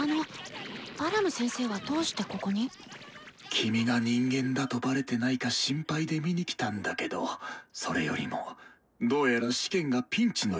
君が人間だとバレてないか心配で見にきたんだけどそれよりもどうやら試験がピンチのようだね。